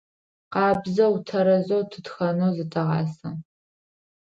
Къабзэу, тэрэзэу тытхэнэу зытэгъасэ.